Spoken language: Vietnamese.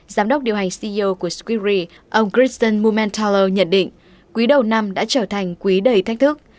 giám đốc điều hành ceo của swiss re ông kristen mumentalo nhận định quý đầu năm đã trở thành quý đầy thách thức